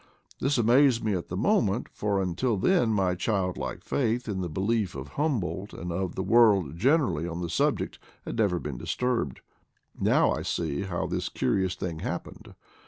This amazed me at the moment, for until then my child like faith in the belief of Humboldt, and of the world generally, on the subject had never been disturbed Now I see how this curious thing hap pened.